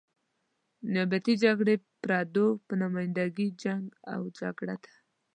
نیابتي جګړه پردو په نماینده ګي جنګ او جګړه ده.